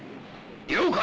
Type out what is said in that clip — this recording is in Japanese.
了解！